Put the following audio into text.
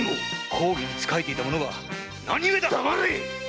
公儀に仕えていた者が何故だ⁉黙れ！